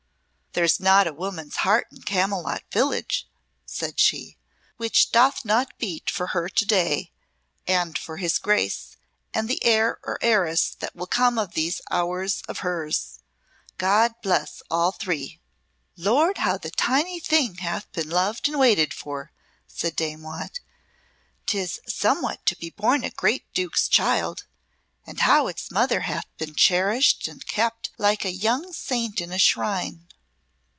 "There is not a woman's heart in Camylott village," said she, "which doth not beat for her to day and for his Grace and the heir or heiress that will come of these hours of hers. God bless all three!" "Lord, how the tiny thing hath been loved and waited for!" said Dame Watt. "'Tis somewhat to be born a great Duke's child! And how its mother hath been cherished and kept like a young saint in a shrine!"